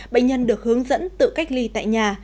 bệnh nhân được hướng dẫn tự cách ly tại nhà